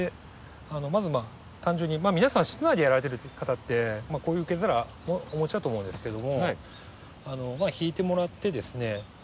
まず単純に皆さん室内でやられてる方ってこういう受け皿をお持ちだと思うんですけどもひいてもらってですね。